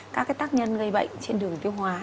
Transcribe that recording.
các tác nhân gây bệnh trên đường tiêu hóa